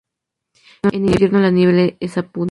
En invierno la nieve es abundante.